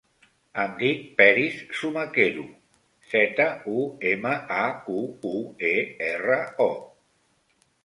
Em dic Peris Zumaquero: zeta, u, ema, a, cu, u, e, erra, o.